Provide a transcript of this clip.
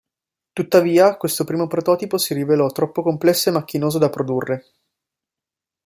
Tuttavia, questo primo prototipo si rivelò troppo complesso e macchinoso da produrre.